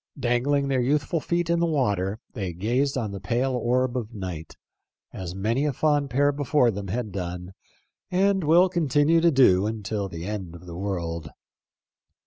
Dangling their youthful feet in the water, they gazed on the pale orb of night, as many a fond pair before them had done and will continue to do until the end of the world.